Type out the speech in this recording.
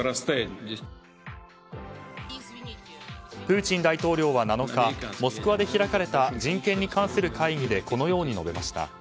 プーチン大統領は７日モスクワで開かれた人権に関する会議でこのように述べました。